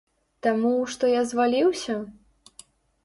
Таму, што я зваліўся?